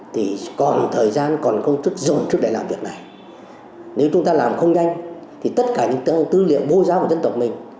thì còn thời gian còn công chức dùng trước để làm việc này nếu chúng ta làm không nhanh thì tất cả những tư liệu vô giáo của dân tộc mình